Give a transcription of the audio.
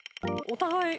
お互い。